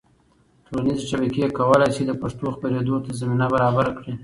ټولنیزې شبکې کولی سي د پښتو خپرېدو ته زمینه برابره کړي.